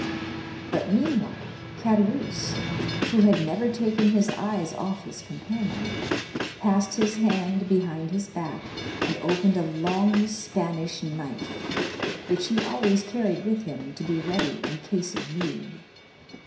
But, meanwhile, Caderousse, who had never taken his eyes off his companion, passed his hand behind his back, and opened a long Spanish knife, which he always carried with him, to be ready in case of need.